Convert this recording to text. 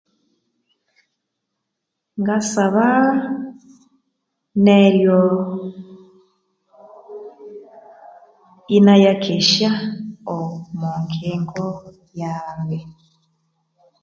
Ngasaba neryo inayakesya omwanjingo yaghe